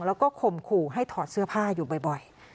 แล้วก็ข่มขู่ให้ถอดเสื้อผ้าอยู่บ่อย